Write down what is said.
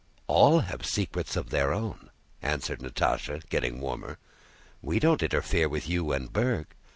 "All have secrets of their own," answered Natásha, getting warmer. "We don't interfere with you and Berg."